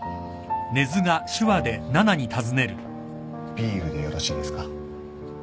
ビールでよろしいですか？